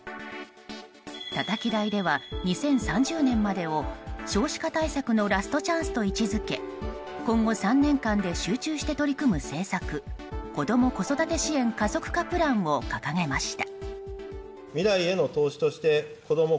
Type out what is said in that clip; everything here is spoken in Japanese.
たたき台では２０３０年までを少子化対策のラストチャンスと位置づけ今後３年間で集中して取り組む政策子ども・子育て支援加速化プランを掲げました。